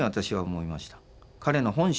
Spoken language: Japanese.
彼の本心。